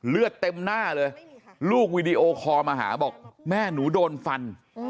เลือดเต็มหน้าเลยลูกวีดีโอคอลมาหาบอกแม่หนูโดนฟัน